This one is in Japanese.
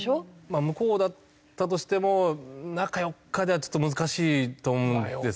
まあ向こうだったとしても中４日ではちょっと難しいと思うんですけども。